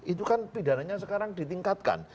itu kan pidananya sekarang ditingkatkan